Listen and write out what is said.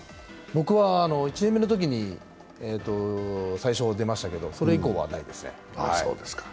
僕は１年目のときに最初は出ましたけど、それ以降はないですね。